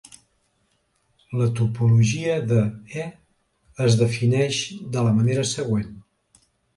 La topologia de "E" es defineix de la manera següent.